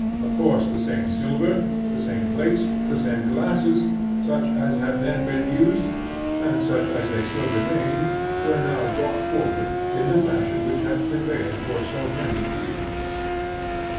Of course the same silver, the same plates, the same glasses, such as had then been used, and such as they still remained, were now brought forward, in the fashion which had prevailed for so many years.